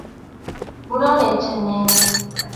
ބުނާނެ އެއްޗެއް ނޭނގެ